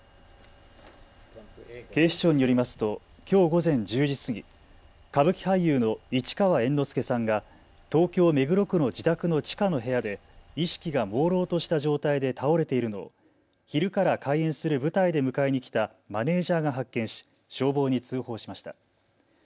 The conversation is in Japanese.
警視庁によりますときょう午前１０時過ぎ、歌舞伎俳優の市川猿之助さんが東京目黒区の自宅の地下の部屋で意識がもうろうとした状態で倒れているのを昼から開演する舞台で迎えに来たマネージャーが発見し消防に通報しました。